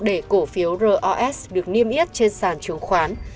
để cổ phiếu ros được niêm yết trên sàn chứng khoán